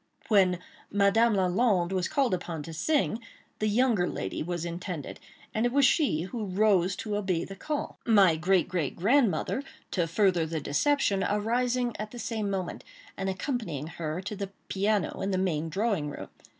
When "Madame Lalande" was called upon to sing, the younger lady was intended; and it was she who arose to obey the call; my great, great, grandmother, to further the deception, arising at the same moment and accompanying her to the piano in the main drawing room.